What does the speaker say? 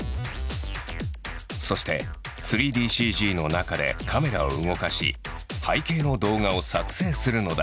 そして３ＤＣＧの中でカメラを動かし背景の動画を作成するのだ。